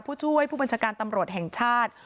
ผู้ช่วยผู้บัญชาการตำรวจแห่งชาติ